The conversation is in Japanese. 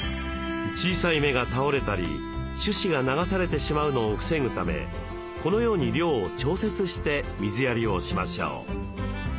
小さい芽が倒れたり種子が流されてしまうのを防ぐためこのように量を調節して水やりをしましょう。